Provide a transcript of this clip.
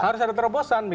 harus ada terobosan